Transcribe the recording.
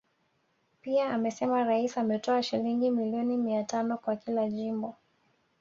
Pia amesema Rais ametoa shilingi milioni mia tano kwa kila jimbo